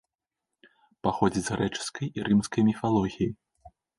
Паходзіць з грэчаскай і рымскай міфалогіі.